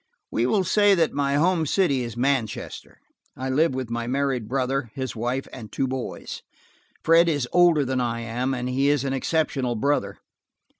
We will say that my home city is Manchester. I live with my married brother, his wife and two boys. Fred is older than I am, and he is an exceptional brother.